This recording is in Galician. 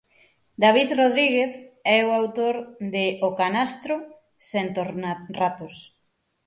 David Rodríguez é o autor de "O canastro sen tornarratos".